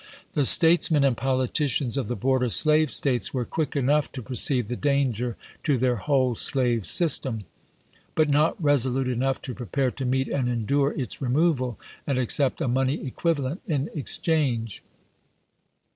The statesmen and politicians of the border slave States were quick enough to per ceive the danger to their whole slave system, but not resolute enough to prepare to meet and endure its removal, and accept a money equivalent in ex change.